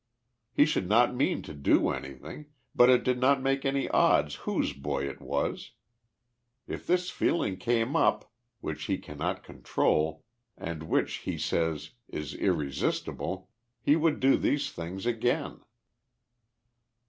He should not mean to do anything, but it did not make any odds whose boy it was. If this feeling came up, which he cannot control, and which, he says, is irresistible, he would do these things again.